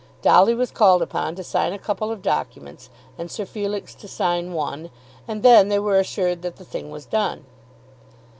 Dolly was called upon to sign a couple of documents, and Sir Felix to sign one, and then they were assured that the thing was done.